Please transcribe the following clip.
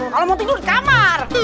kalau mau tidur di kamar